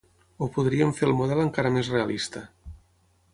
O podríem fer el model encara més realista.